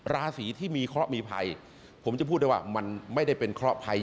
ราศีที่มีเคราะห์มีภัยผมจะพูดได้ว่ามันไม่ได้เป็นเคราะหภัย